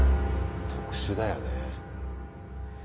特殊だよね。